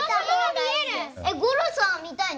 吾郎さんは見たいの？